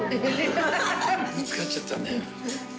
ぶつかっちゃったんだよ。